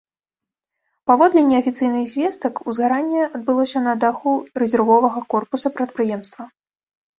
Паводле неафіцыйных звестак, узгаранне адбылося на даху рэзервовага корпуса прадпрыемства.